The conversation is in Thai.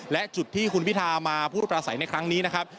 และจุดที่คุณพิธามาพูดประสัยในครั้งนี้นะครับ